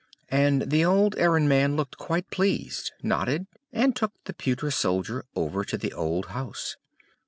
And the old errand man looked quite pleased, nodded, and took the pewter soldier over to the old house.